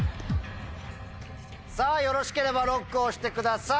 さぁよろしければＬＯＣＫを押してください！